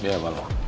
selamat malam pak